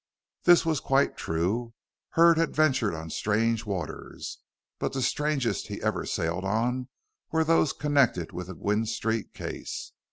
This was quite true. Hurd had ventured on strange waters, but the strangest he ever sailed on were those connected with the Gwynne Street case.